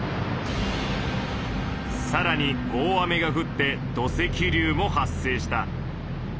さらに大雨がふって土石流も発生した。